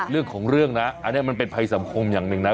เรื่องของเรื่องนะอันนี้มันเป็นภัยสังคมอย่างหนึ่งนะ